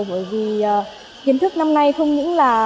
bởi vì kiến thức năm nay không những là